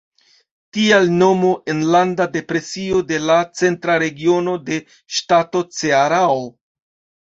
Tial nomo "Enlanda Depresio" de la centra regiono de ŝtato Cearao.